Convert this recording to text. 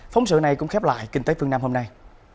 phóng sự này cũng khép lại kinh tế phương nam hôm nay